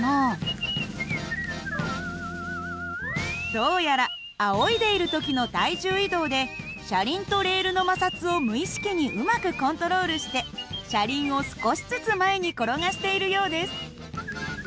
どうやらあおいでいる時の体重移動で車輪とレールの摩擦を無意識にうまくコントロールして車輪を少しずつ前に転がしているようです。